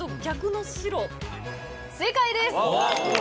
正解です！